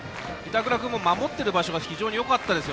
板倉君も守っている場所がよかったです。